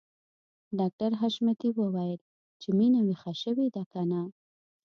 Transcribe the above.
ډاکټر حشمتي وويل چې مينه ويښه شوې ده که نه